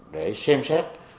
để xem xét